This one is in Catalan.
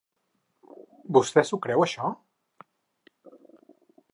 Vostè s'ho creu, això?